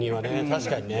確かにね。